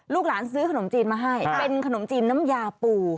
หลานซื้อขนมจีนมาให้เป็นขนมจีนน้ำยาปู